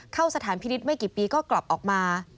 เข้าสถานพินิษฐ์ไม่กี่ปีก็กลับออกมา